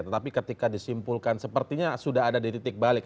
tetapi ketika disimpulkan sepertinya sudah ada di titik balik